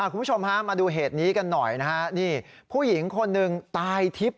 คุณผู้ชมฮะมาดูเหตุนี้กันหน่อยนะฮะนี่ผู้หญิงคนหนึ่งตายทิพย์